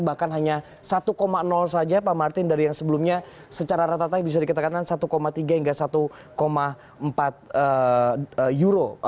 bahkan hanya satu saja pak martin dari yang sebelumnya secara rata rata bisa dikatakan satu tiga hingga satu empat euro